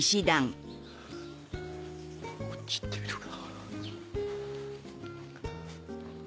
あっち行ってみるか。